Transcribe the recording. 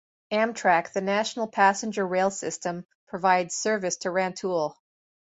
Amtrak, the national passenger rail system, provides service to Rantoul.